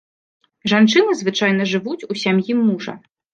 Жанчыны звычайна жывуць у сям'і мужа.